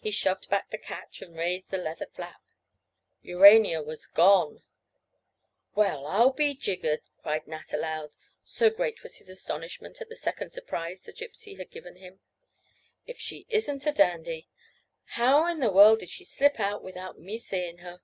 He shoved back the catch and raised the leather flap. Urania was gone! "Well, I'll be jiggered!" cried Nat aloud, so great was his astonishment at the second surprise the Gypsy had given him. "If she isn't a dandy! How in the world did she slip out without me seeing her?"